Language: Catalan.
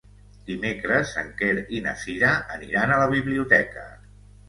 Dimecres en Quer i na Cira aniran a la biblioteca.